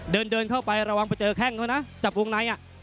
เดินเดินเข้าไประวังไปเจอแค่งเท่านั้นนะจับวงไหน